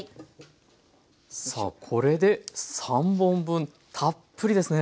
さあこれで３本分たっぷりですね。